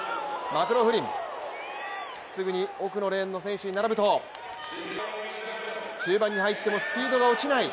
マクローフリン、すぐに奥のレーンの選手に並ぶと中盤に入っても落ちない